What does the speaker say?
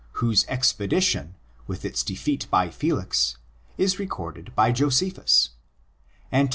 whose expedition, with its defeat by Felix, is recorded by Josephus (Ant.